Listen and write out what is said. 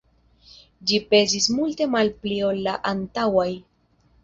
Ĝi pezis multe malpli ol la antaŭaj.